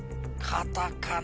カタカナ。